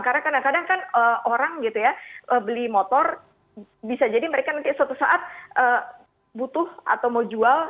karena kadang kadang kan orang gitu ya beli motor bisa jadi mereka nanti suatu saat butuh atau mau jual